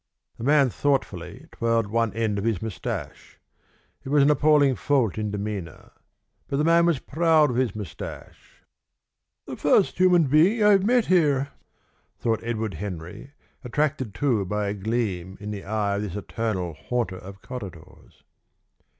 The man thoughtfully twirled one end of his moustache. It was an appalling fault in demeanour; but the man was proud of his moustache. "The first human being I've met here!" thought Edward Henry, attracted too by a gleam in the eye of this eternal haunter of corridors.